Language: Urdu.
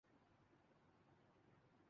کچھ مانتے ہیں کہ یہ دنیا ایک طرح کا جہنم ہے۔